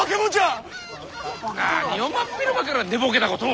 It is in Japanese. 何を真っ昼間から寝ぼけたことを。